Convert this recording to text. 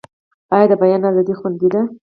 آیا د بیان ازادي خوندي ده؟